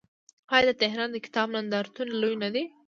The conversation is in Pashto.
آیا د تهران د کتاب نندارتون لوی نه دی؟